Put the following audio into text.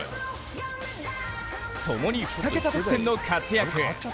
共に２桁得点の活躍。